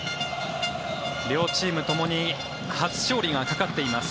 両チームともに初勝利がかかっています。